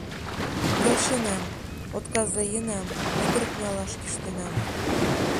Келшенам, отказаенам, ӱдыр налаш кӱштенам